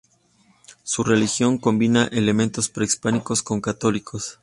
Su religión combina elementos prehispánicos con católicos.